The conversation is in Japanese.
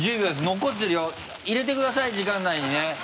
残ってるよ入れてください時間内にね。